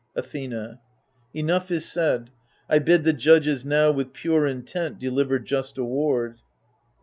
Athena Enough is said ; I bid the judges now With pure intent deliver just award.